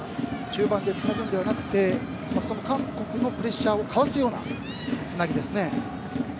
中盤でつなぐのではなく韓国のプレッシャーをかわすようなつなぎですね。